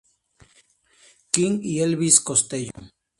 King y Elvis Costello.